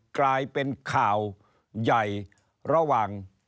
กลายเป็นข่าวใหญ่ระหว่าง